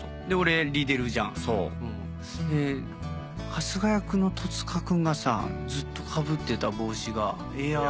春日役の戸塚君がさずっとかぶってた帽子がエアー。